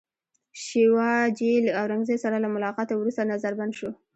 شیوا جي له اورنګزېب سره له ملاقاته وروسته نظربند شو.